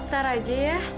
bentar aja ya